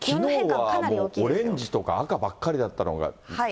きのうはもうオレンジとか赤ばっかりだったのが。